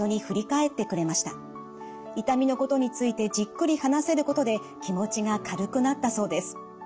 痛みのことについてじっくり話せることで気持ちが軽くなったそうです。